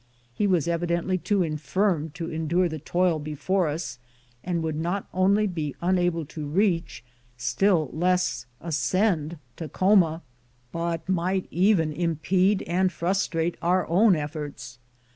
He was evidently too infirm to endure the toil before us, and would not only be un able to reach, still less ascend Takhoma, but might even 109 MOUNT RAINIER impede and frustrate our own efforts.